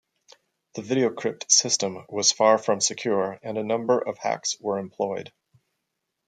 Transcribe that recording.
The VideoCrypt system was far from secure and a number of hacks were employed.